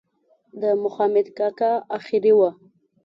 د مخامد کاکا آخري وه.